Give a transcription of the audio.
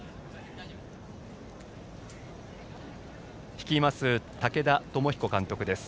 率います武田朝彦監督です。